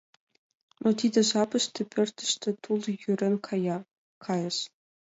Но тиде жапыште пӧртыштӧ тул йӧрен кайыш.